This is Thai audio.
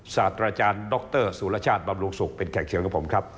ศาสตราจารย์ดรสุรชาติบำรุงสุขเป็นแขกเชิญของผมครับ